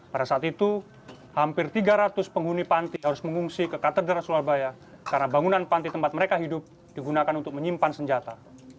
pada saat itu hampir tiga ratus penghuni panti harus mengungsi ke katedral surabaya karena bangunan panti tempat mereka hidup digunakan untuk menyimpan senjata